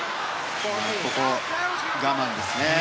ここは我慢ですね。